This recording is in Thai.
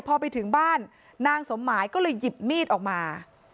พอไปถึงบ้านนางสมหมายก็เลยหยิบมีดออกมา